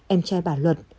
em trai bà luật